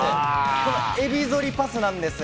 このエビ反りパスなんです。